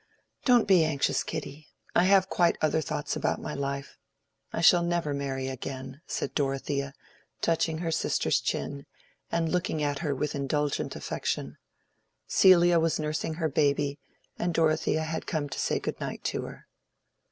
"Don't be anxious, Kitty; I have quite other thoughts about my life. I shall never marry again," said Dorothea, touching her sister's chin, and looking at her with indulgent affection. Celia was nursing her baby, and Dorothea had come to say good night to her.